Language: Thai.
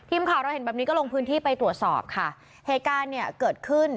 ทีมข่าวเราเห็นแบบนี้ก็ลงพื้นที่ไปตรวจสอบค่ะเหตุการณ์เนี่ยเกิดขึ้น